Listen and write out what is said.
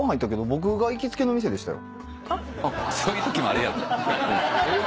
先生行きつけの店でしたよ。